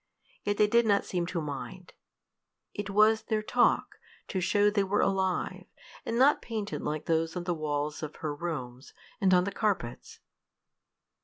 yet they did not seem to mind. It was their talk, to show they were alive, and not painted like those on the walls of her rooms, and on the carpets.